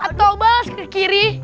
atau balas ke kiri